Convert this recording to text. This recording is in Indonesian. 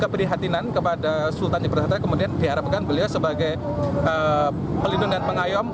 keprihatinan kepada sultan ibrahatan kemudian diharapkan beliau sebagai pelindung dan pengayom